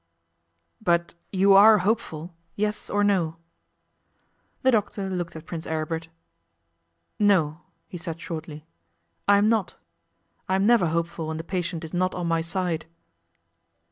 'But you are hopeful? Yes or no.' The doctor looked at Prince Aribert. 'No!' he said shortly. 'I am not. I am never hopeful when the patient is not on my side.